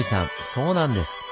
そうなんです！